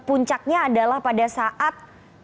puncaknya adalah pada saat